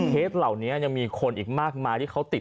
เหล่านี้ยังมีคนอีกมากมายที่เขาติด